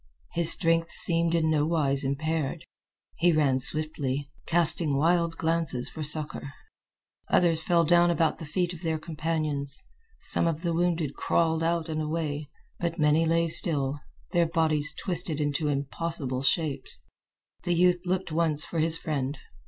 His strength seemed in nowise impaired. He ran swiftly, casting wild glances for succor. Others fell down about the feet of their companions. Some of the wounded crawled out and away, but many lay still, their bodies twisted into impossible shapes. The youth looked once for his friend.